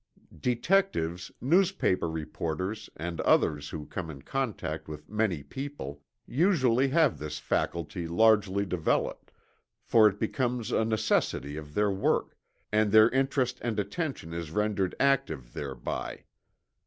Detectives, newspaper reporters, and others who come in contact with many people, usually have this faculty largely developed, for it becomes a necessity of their work, and their interest and attention is rendered active thereby.